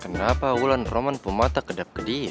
kenapa ulan roman pemata kedap kedip